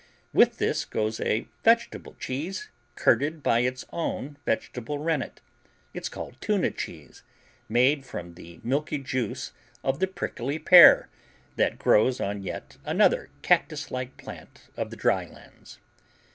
With this goes a vegetable cheese curded by its own vegetable rennet. It's called tuna cheese, made from the milky juice of the prickly pear that grows on yet another cactuslike plant of the dry lands.